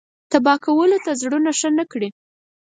تبا کولو ته زړونه ښه نه کړي.